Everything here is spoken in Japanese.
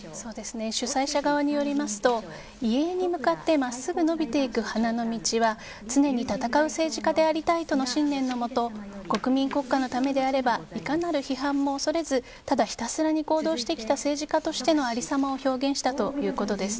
主催者側によりますと遺影に向かって真っすぐ伸びていく花の道は常に戦う政治家でありたいとの信念のもと国民国家のためであればいかなる批判も恐れずただひたすらに行動してきた政治家としての有り様を表現したということです。